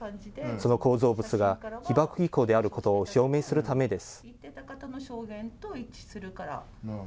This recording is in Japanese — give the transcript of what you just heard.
その構造物が被爆遺構であることを証明するためです。